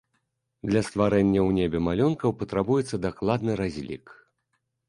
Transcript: Для стварэння ў небе малюнкаў патрабуецца дакладны разлік.